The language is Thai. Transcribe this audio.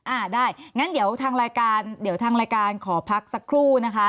อ่าได้งั้นเดี๋ยวทางรายการเดี๋ยวทางรายการขอพักสักครู่นะคะ